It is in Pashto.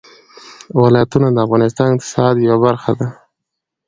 ولایتونه د افغانستان د اقتصاد یوه برخه ده.